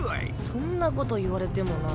そんなこと言われてもなぁ。